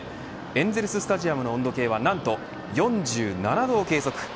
エンゼル・スタジアムの温度計は何と４７度を計測。